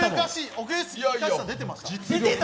奥ゆかしさ、出てました？